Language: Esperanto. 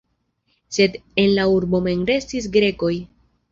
Sed en la urbo mem restis grekoj.